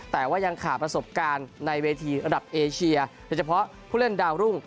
แต่ว่ายังขาดประสบการณ์ในเวทีระดับเอเชียโดยเฉพาะผู้เล่นดาวรุ่ง